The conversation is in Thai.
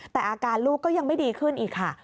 แต่อาการลูกก็ยังไม่ดีขึ้นอีกค่ะ